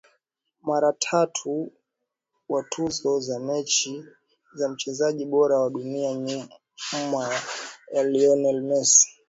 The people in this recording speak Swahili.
Mara tatu wa tuzo za mchezaji bora wa dunia nyuma ya Lionel Messi